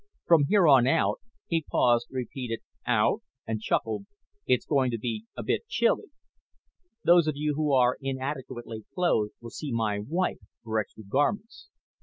From here on out " he paused, repeated "out" and chuckled "it's going to be a bit chilly. Those of you who are inadequately clothed will see my wife for extra garments.